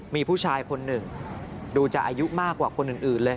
มีผู้ชายคนหนึ่งดูจะอายุมากกว่าคนอื่นเลย